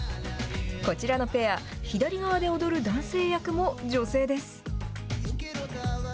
こちらのペア左側で踊る男性役も女性です。